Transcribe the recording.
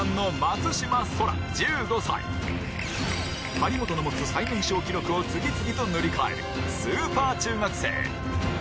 張本の持つ最年少記録を次々と塗り替えるスーパー中学生